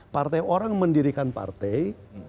partai orang mendirikan partai